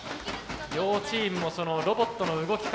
両チームもロボットの動き方